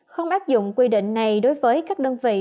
không áp dụng quy định này đối với các đơn vị